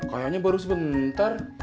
kayaknya baru sebentar